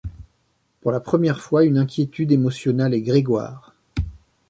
Pour la première fois, une inquiétude émotionna les Grégoire.